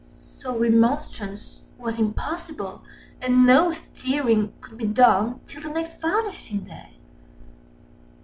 So remonstrance was impossible, and no steering could be done till the next varnishing day.